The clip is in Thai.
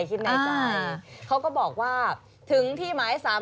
ครับเขาก็บอกว่าถึงที่หมาย